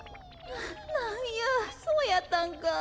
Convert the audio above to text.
ななんやそうやったんか。